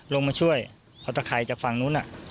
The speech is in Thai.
ลงมาช่วยเอาตะไข่จากฝั่งนู้น